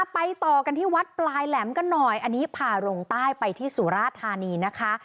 ไปต่อกันที่วัดปลายแหลมกันหน่อยอันนี้พาลงใต้ไปที่สุราธานีนะคะ